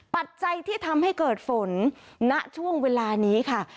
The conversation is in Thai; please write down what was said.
ปัจจัยที่ทำให้เกิดฝนณช่วงเวลานี้ค่ะ